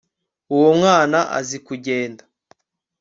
uwo mwana azi kugenda